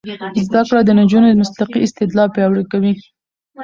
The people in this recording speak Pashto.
زده کړه د نجونو منطقي استدلال پیاوړی کوي.